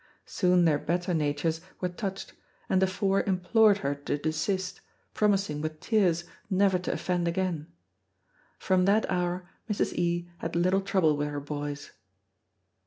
Soon their better natures were touched, and the four implored her to desist, promising with tears never to offend again. From that hour Mrs. E had little trouble with her boys.